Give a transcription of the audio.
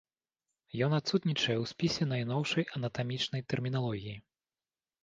Ён адсутнічае ў спісе найноўшай анатамічнай тэрміналогіі.